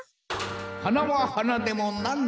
はなははなでもなんのはな。